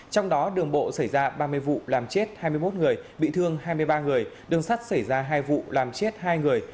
trong đó đường bộ xảy ra ba mươi vụ làm chết hai mươi một người bị thương hai mươi ba người đường sắt xảy ra hai vụ làm chết hai người